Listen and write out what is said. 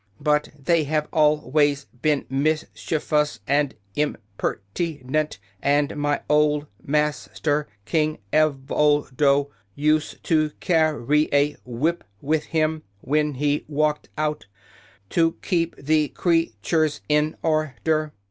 "But they have al ways been mis chiev ous and im per ti nent, and my old mas ter, King Ev ol do, used to car ry a whip with him, when he walked out, to keep the crea tures in or der.